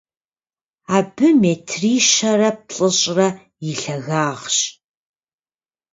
Абы метрищэрэ плӏыщӏрэ и лъагагъщ.